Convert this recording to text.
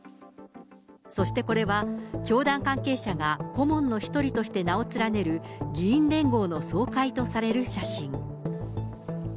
そしてこれは、教団関係者が顧問の一人として名を連ねる議員連合の総会とされる写真。